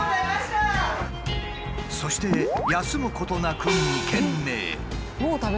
そして休むことなく２軒目へ。